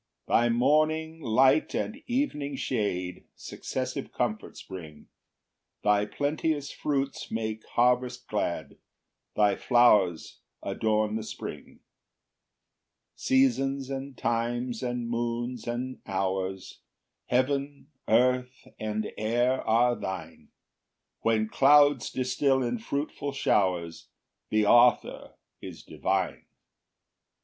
2 Thy morning light and evening shade Successive comforts bring; Thy plenteous fruits make harvest glad, Thy flowers adorn the spring. 3 Seasons and times, and moons and hours, Heaven, earth, and air are thine; When clouds distil in fruitful showers, The author is divine.